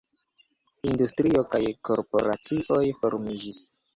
Industrio kaj korporacioj formiĝis.